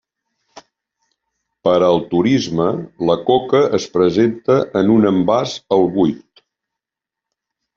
Per al turisme, la coca es presenta en un envàs al buit.